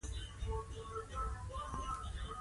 د کور وسایل او نور شیان هم همداسې دي